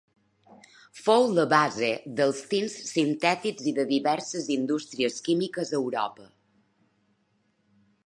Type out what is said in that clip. Fou la base dels tints sintètics i de diverses indústries químiques a Europa.